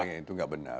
itu nggak benar